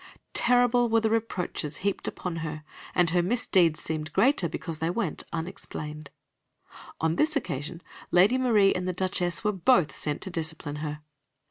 Terrible were the reproaches heaped upon her, and her misdeeds seemed greater because they went unexplained. On this occasion Lady Marie and the Duchess were both sent to discipline her.